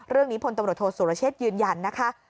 เรื่องนี้พลตำรวจโทรสุรเชษฐ์ยืนยันนะคะ